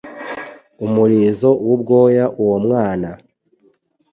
umurizo w'ubwoya uwo mwana